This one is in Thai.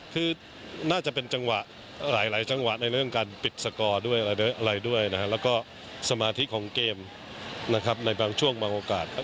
คือน่าจะเป็นจังหวะหลายจังหวะในเรื่องการปิดสกอร์ด้วยอะไรด้วยนะฮะแล้วก็สมาธิของเกมนะครับในบางช่วงบางโอกาส